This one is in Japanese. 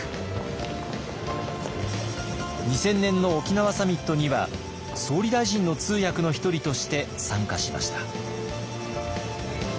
２０００年の沖縄サミットには総理大臣の通訳の一人として参加しました。